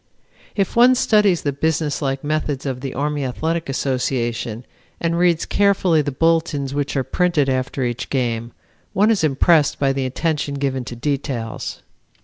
If one studies the businesslike methods of the Army Athletic Association and reads carefully the bulletins which are printed after each game, one is impressed by the attention given to details.